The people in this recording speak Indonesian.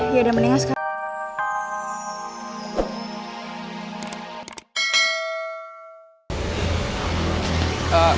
ya udah mendingan sekalian